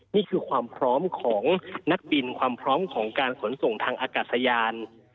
นี่คือความพร้อมของนักบินความพร้อมของการขนส่งทางอากาศยาน